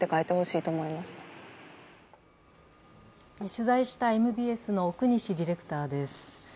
取材したＭＢＳの奥西ディレクターです。